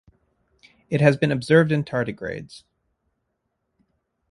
It has been observed in tardigrades.